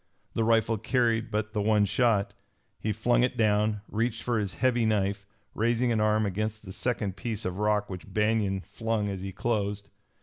The rifle carried but the one shot. He flung it down, reached for his heavy knife, raising an arm against the second piece of rock which Banion flung as he closed.